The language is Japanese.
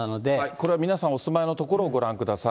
これ皆さん、お住まいの所をご覧ください。